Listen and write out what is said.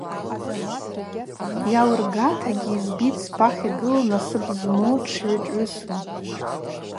Йалыргатагьи йызбитӏ спахь йгылу – насып зму дшгӏвычӏвгӏвысу.